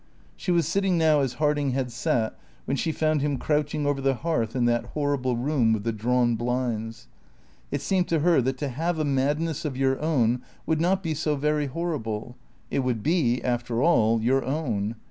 She was sitting now as Harding had sat when she found him crouching over the hearth in that horrible room with the drawn blinds. It seemed to her that to have a madness of your own would not be so very horrible. It would be, after all, your own.